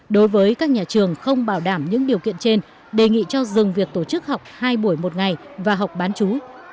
đối với các nhà trường không bảo đảm những điều kiện trên đề nghị cho dừng việc tổ chức học hai buổi một ngày và học bán chú